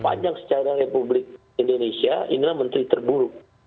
panjang secara republik indonesia inilah menteri terburuk